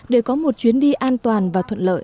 để có một chuyến đi an toàn và thuận lợi